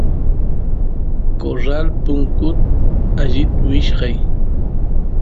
corral punku allit wichkay